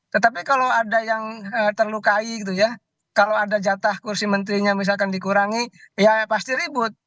tetapi kalau ada yang terlukai gitu ya kalau ada jatah kursi menterinya misalkan dikurangi ya pasti ribut